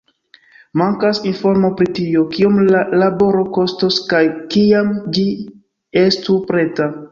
Mankas informo pri tio, kiom la laboro kostos kaj kiam ĝi estu preta.